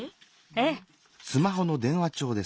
ええ。